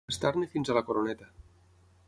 Estar-ne fins a la coroneta.